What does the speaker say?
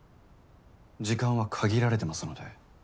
時間は限られてますので。